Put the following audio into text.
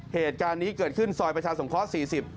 เหตุการณ์นี้เกิดขึ้นซอยประชาสงเคราะห์๔๐